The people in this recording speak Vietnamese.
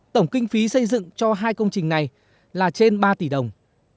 tổng kinh phí xây dựng cho hai công trình này là trên ba tỷ đồng